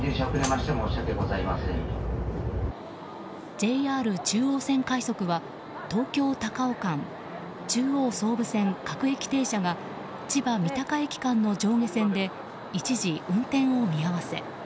ＪＲ中央線快速は東京高尾間中央・総武線各駅停車が千葉三鷹駅間の上下線で一時運転を見合わせ。